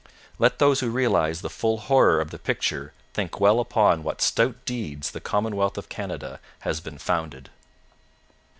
Let those who realize the full horror of the picture think well upon what stout deeds the commonwealth of Canada has been founded.